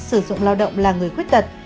sử dụng lao động là người khuyết tật